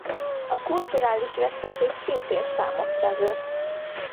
A kulturális veszteség szintén számottevő.